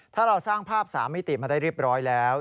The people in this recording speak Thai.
ถ้าเราสร้างภาพ๓มิติมาได้เรียบร้อยแล้ว